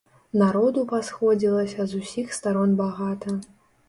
Народу пасходзілася з усіх старон багата.